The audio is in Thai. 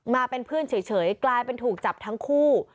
มาเป็นเพื่อนเฉยกลายเป็นถูกจับทั้งคู่